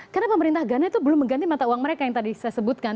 karena pemerintah ghana itu belum mengganti mata uang mereka yang tadi saya sebutkan